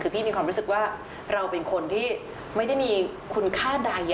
คือพี่มีความรู้สึกว่าเราเป็นคนที่ไม่ได้มีคุณค่าใด